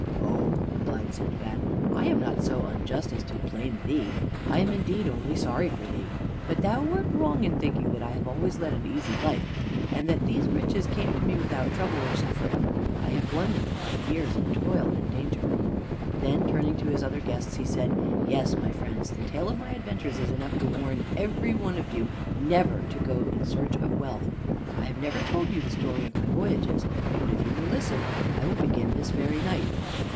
"Oh," replied Sindbad, "I am not so unjust as to blame thee. I am indeed only sorry for thee. But thou wert wrong in thinking that I have always led an easy life, and that these riches came to me without trouble or suffering. I have won them by years of toil and danger." Then turning to his other guests he said, "Yes, my friends, the tale of my adventures is enough to warn every one of you never to go in search of wealth. I have never told you the story of my voyages, but if you will listen I will begin this very night."